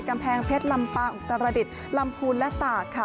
กำแพงเพชรลำปางอุตรดิษฐ์ลำพูนและตากค่ะ